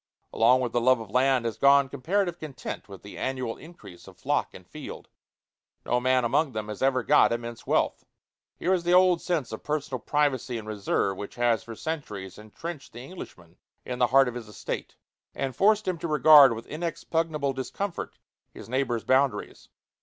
Along with the love of land has gone comparative content with the annual increase of flock and field. No man among them has ever got immense wealth. Here is the old sense of personal privacy and reserve which has for centuries intrenched the Englishman in the heart of his estate, and forced him to regard with inexpugnable discomfort his neighbor's boundaries.